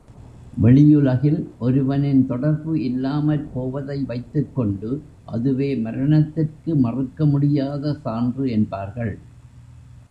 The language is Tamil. வெளியுலகில் ஒருவனின் தொடர்பு இல்லாமற் போவதை வைத்துக் கொண்டு அதுவே மரணத்திற்கு மறுக்க முடியாத சான்று என்பார்கள்.